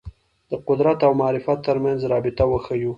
د قدرت او معرفت تر منځ رابطه وښييو